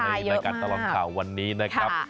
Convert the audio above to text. ในการตลอดข่าวเยอะมากทักขายเยอะมากในวันนี้นะครับ